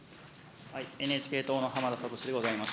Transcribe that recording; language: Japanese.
ＮＨＫ党の浜田聡でございます。